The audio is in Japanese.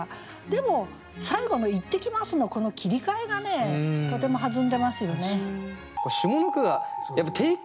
でも最後の「いってきます」のこの切り替えがとても弾んでますよね。